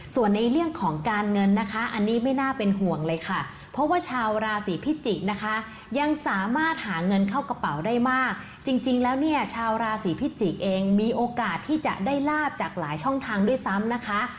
ส่วนในเรื่องของการเงินนะคะอันนี้ไม่น่าเป็นห่วงเลยค่ะเพราะว่าชาวราศีพิจิกษ์นะคะยังสามารถหาเงินเข้ากระเป๋าได้มากจริงแล้วเนี่ยชาวราศีพิจิกเองมีโอกาสที่จะได้ลาบจากหลายช่องทางด้วยซ้ำนะคะ